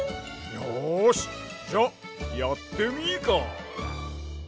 よしじゃやってみーか！